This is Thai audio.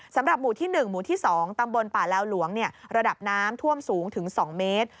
สำหรับหมู่ที่๑หมู่ที่๒ตำบลป่าลาวหลวงระดับน้ำท่วมสูงถึง๒เมตร